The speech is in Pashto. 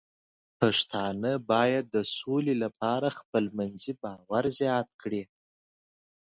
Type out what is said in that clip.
پښتانه بايد د سولې لپاره خپلمنځي باور زیات کړي.